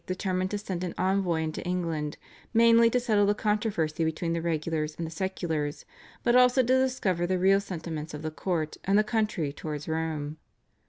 determined to send an envoy into England mainly to settle the controversy between the regulars and the seculars, but also to discover the real sentiments of the court and the country towards Rome.